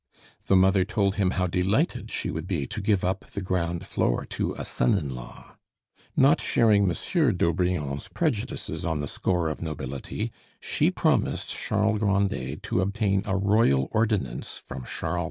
The mother told him how delighted she would be to give up the ground floor to a son in law. Not sharing Monsieur d'Aubrion's prejudices on the score of nobility, she promised Charles Grandet to obtain a royal ordinance from Charles X.